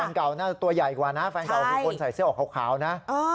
เก่าน่าจะตัวใหญ่กว่านะแฟนเก่าคือคนใส่เสื้อออกขาวนะ